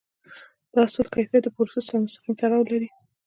د حاصل کیفیت د پروسس سره مستقیم تړاو لري.